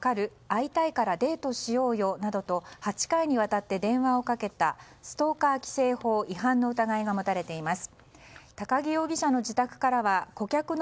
会いたいからデートしようよなどと８回にわたって電話をかけたストーカー規制法違反の疑いが持たれています。